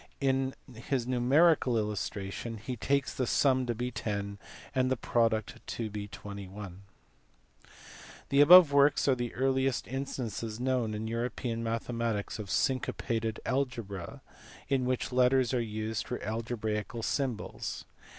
In his numerical illustration he takes the sum to be 10 and the product 21. The above works are the earliest instances known in European mathematics of syncopated algebra in which letters are used for algebraical symbols.